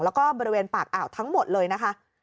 แล้วก็บริเวณปากอ่าวทั้งหมดเลยนะคะ